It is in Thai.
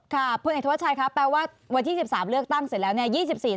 พลเอกธวัชชัยครับแปลว่าวันที่๑๓เลือกตั้งเสร็จแล้วเนี่ย